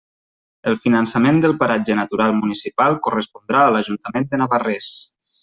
El finançament del paratge natural municipal correspondrà a l'Ajuntament de Navarrés.